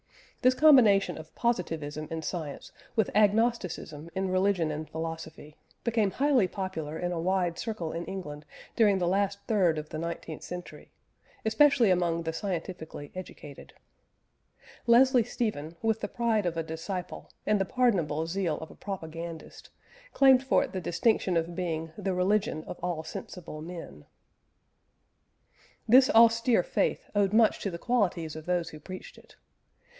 This combination of Positivism in science with Agnosticism in religion and philosophy, became highly popular in a wide circle in England during the last third of the nineteenth century, especially among the scientifically educated. Leslie Stephen, with the pride of a disciple and the pardonable zeal of a propagandist, claimed for it the distinction of being "the religion of all sensible men." This austere faith owed much to the qualities of those who preached it.